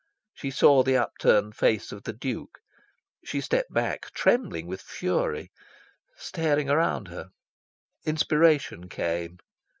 She saw the upturned face of the Duke. She stepped back, trembling with fury, staring around her. Inspiration came.